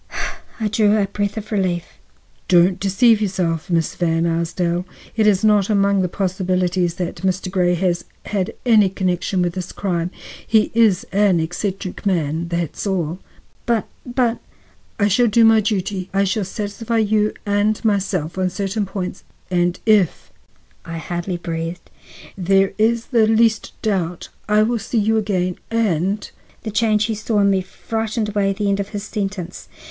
I drew a breath of relief. "Don't deceive yourself, Miss Van Arsdale; it is not among the possibilities that Mr. Grey has had any connection with this crime. He is an eccentric man, that's all." "But—but—" "I shall do my duty. I shall satisfy you and myself on certain points, and if—" I hardly breathed "—there is the least doubt, I will see you again and—" The change he saw in me frightened away the end of his sentence.